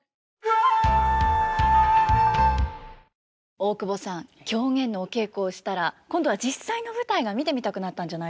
大久保さん狂言のお稽古をしたら今度は実際の舞台が見てみたくなったんじゃないですか？